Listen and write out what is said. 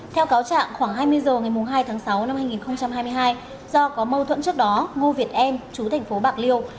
theo cáo trạng khoảng hai mươi h ngày hai tháng sáu năm hai nghìn hai mươi hai do có mâu thuẫn trước đó ngô việt em chú thành phố bạc liêu